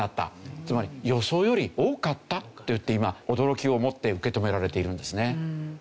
つまり予想より多かったといって今驚きをもって受け止められているんですね。